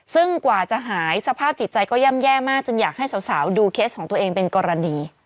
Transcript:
ซึ่งกว่าจะหายสภาพจิตใจก็ย่ำแย่มากจนอยากให้สาวดูเคสของตัวเองเป็นกรณี